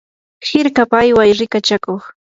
hirkapa ayway rikachakuq.